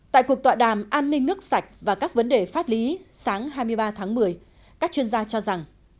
tại cuộc tọa đàm an ninh nước sạch và các vấn đề pháp lý sáng hai mươi ba tháng một mươi các chuyên gia cho rằng